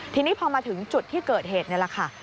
ทีนี้พอมาถึงจุดที่เกิดเหตุนี่แหละค่ะ